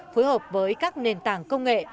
phối hợp với các nền tảng công nghệ